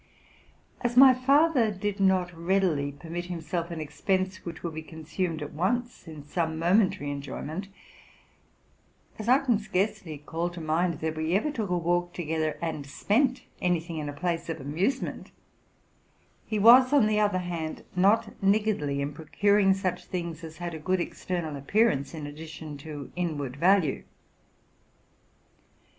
As my father did not readily permit himself an expense which would be consumed at once in some momentary enjoy all to mind that we ever took a walk together, and spent any thing in a place of amusement, —he was, on the other hand, not niggardly in procuring such things as had a good external appearance in addition to inward value.